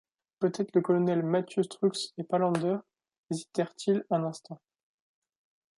Peut-être le colonel, Mathieu Strux et Palander hésitèrent-ils un instant.